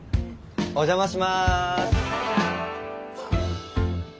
お邪魔します。